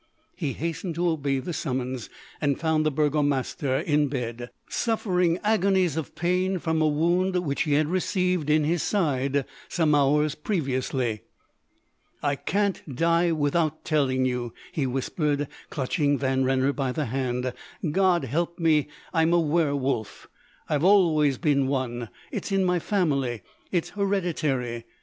He hastened to obey the summons, and found the Burgomaster in bed, suffering agonies of pain from a wound which he had received in his side some hours previously. "I can't die without telling you," he whispered, clutching Van Renner by the hand. "God help me, I'm a werwolf! I've always been one. It's in my family it's hereditary.